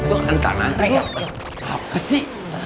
bu itu hantar hantar ya apa sih